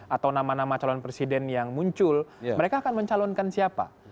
atau nama nama calon presiden yang muncul mereka akan mencalonkan siapa